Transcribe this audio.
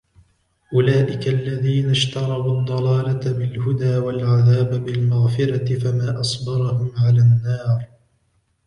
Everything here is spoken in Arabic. أولئك الذين اشتروا الضلالة بالهدى والعذاب بالمغفرة فما أصبرهم على النار